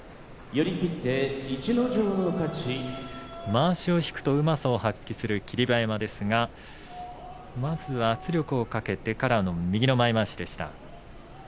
まわしを引くとうまさを発揮する霧馬山ですがまずは圧力をかけてからの右の前まわしでした。